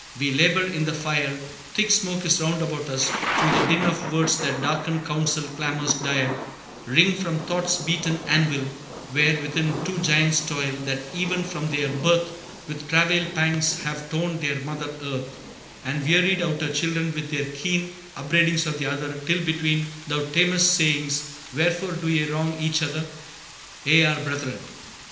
We labor in the fire, Thick smoke is round about us; through the din Of words that darken counsel clamors dire Ring from thought's beaten anvil, where within Two Giants toil, that even from their birth With travail pangs have torn their mother Earth, And wearied out her children with their keen Upbraidings of the other, till between Thou tamest, saying, 'Wherefore do ye wrong Each other? ye are Brethren.'